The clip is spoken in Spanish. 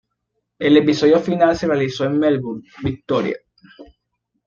El episodio final se realizó en Melbourne, Victoria.